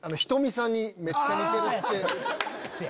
ｈｉｔｏｍｉさんにめっちゃ似てるって。